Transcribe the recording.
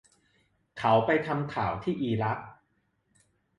เขาจะไปทำข่าวที่อิรัก